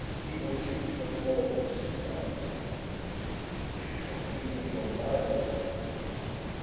He will shoot no more of the sea gulls now." "You do not mean that you have murdered him?"